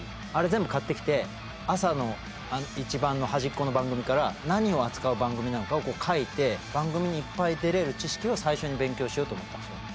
あれ全部買ってきて朝の一番の端っこの番組から何を扱う番組なのかをこう書いて番組にいっぱい出れる知識を最初に勉強しようと思ったんですよ。